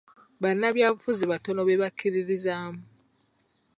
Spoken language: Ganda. Bannabyabufuzi batono be bakiririzaamu.